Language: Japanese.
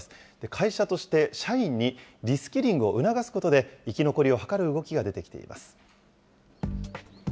会社として社員にリスキリングを促すことで、生き残りを図る動きが出てきています。